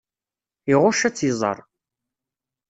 Iɣucc ad tt-iẓer.